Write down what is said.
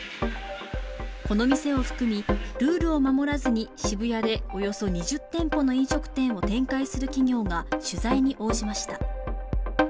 この店を含み、ルールを守らずに渋谷でおよそ２０店舗の飲食店を展開する企業が取材に応じました。